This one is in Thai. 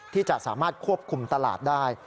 ที่จะสามารถควบคุมตลาดได้